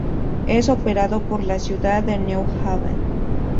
Es operado por la ciudad de New Haven.